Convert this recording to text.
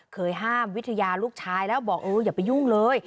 เคยห้ามวิทยาลูกชายแล้วบอกเอออย่าไปยุ่งเลย